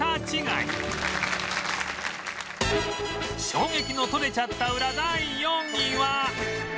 衝撃の撮れちゃったウラ第４位は